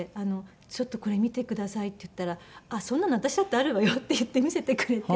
「ちょっとこれ見てください」って言ったら「そんなの私だってあるわよ」って言って見せてくれて。